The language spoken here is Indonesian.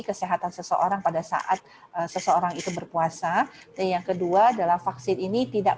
kesehatan seseorang pada saat seseorang itu berpuasa yang kedua adalah vaksin ini tidak